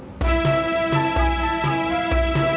kita bisa kembali ke rumah